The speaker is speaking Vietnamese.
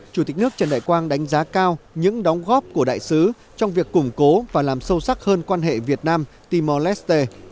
chủ tịch nước trần đại quang đánh giá cao những đóng góp của đại sứ trong việc củng cố và làm sâu sắc hơn quan hệ việt nam timor leste